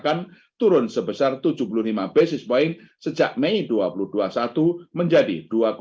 keuntungan yang lebih tinggi